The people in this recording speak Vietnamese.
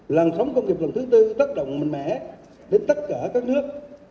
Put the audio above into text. làn sóng công nghiệp lần thứ tư tác động mạnh mẽ đến tất cả các nước